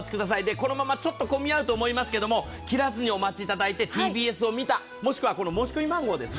このままちょっと混み合うと思いますけれども、切らずにお待ちいただいて、ＴＢＳを見た、もしくは申し込み番号ですね。